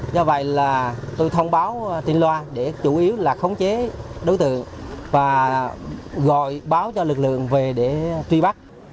do vậy là tôi thông báo tin loa để chủ yếu là khống chế đối tượng và gọi báo cho lực lượng về để truy bắt